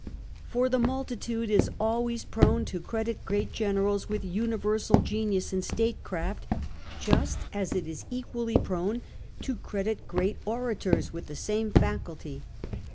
For the multitude is always prone to credit great generals with universal genius in statecraft, just as it is equally prone to credit great orators with the same faculty.